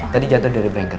tadi jatuh dari brengker